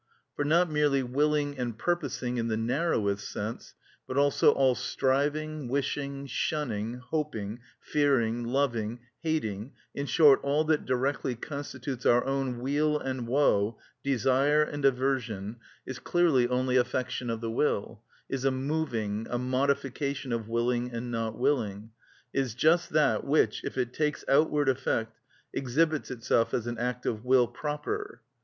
For not merely willing and purposing in the narrowest sense, but also all striving, wishing, shunning, hoping, fearing, loving, hating, in short, all that directly constitutes our own weal and woe, desire and aversion, is clearly only affection of the will, is a moving, a modification of willing and not willing, is just that which, if it takes outward effect, exhibits itself as an act of will proper.